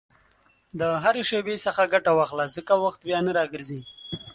د هرې شېبې څخه ګټه واخله، ځکه وخت بیا نه راګرځي.